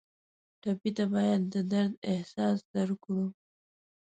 ټپي ته باید د درد احساس درکړو.